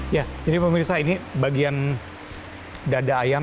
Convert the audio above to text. ya jadi pemirsa ini bagian dada ayam